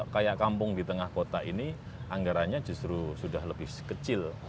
kayak kampung di tengah kota ini anggarannya justru sudah lebih kecil